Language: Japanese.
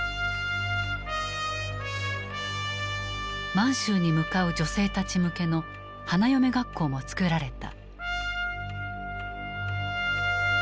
満州に向かう女性たち向けの花嫁学校もつくられた。